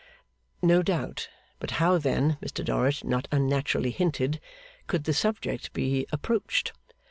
No doubt. But how then (Mr Dorrit not unnaturally hinted) could the subject be approached?